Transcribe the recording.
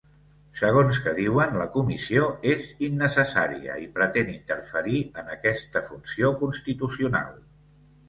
Segons que diuen, la comissió és innecessària i pretén interferir en aquesta funció constitucional.